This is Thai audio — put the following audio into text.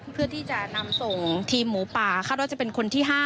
เพื่อที่จะนำส่งทีมหมูป่าคาดว่าจะเป็นคนที่๕